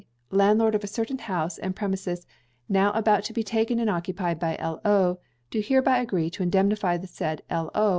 landlord of a certain house and premises now about to be taken and occupied by L.O., do hereby agree to indemnify the said L.O.